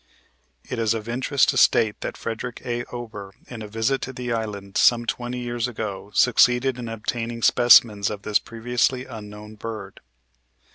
(It is of interest to state that Frederick A. Ober, in a visit to the island some twenty years ago, succeeded in obtaining specimens of this previously unknown bird.)